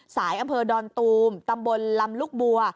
อำเภอดอนตูมตำบลลำลูกบัว